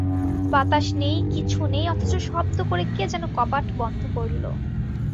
বাতাস নেই, কিছু নেই, অথচ শব্দ করে কে যেন কপাট বন্ধ করল।